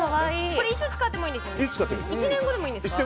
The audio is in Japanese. これ、いつ使ってもいいんですよね。